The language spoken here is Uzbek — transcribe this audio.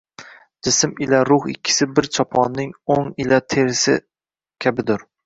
Jism ila ruh ikkisi bir choponning o’ng ila terisi kabidur